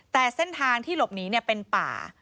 แต่เส้นทางที่หลบหนีเป็นป่า